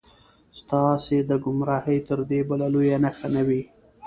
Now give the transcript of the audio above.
ستاسې د ګمراهۍ تر دې بله لویه نښه نه وي.